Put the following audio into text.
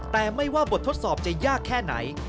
แต่ไม่ว่าบททดสอบจะยากแค่ไหน